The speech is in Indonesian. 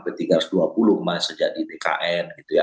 sekarang sudah disusun sampai tiga ratus dua puluh mas sejak di bkn gitu ya